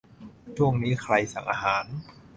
ช่วงนี้ใครสั่งอาหาร